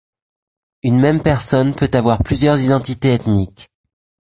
Une même personne peut avoir plusieurs identités ethniques.